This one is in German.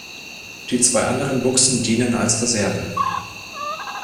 Die zwei anderen Buchsen dienen als Reserve.